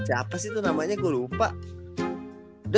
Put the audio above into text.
siapa sih tuh namanya gue lupa